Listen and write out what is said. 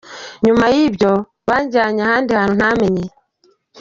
Nyuma nibwo banjyanye ahandi hantu ntamenye.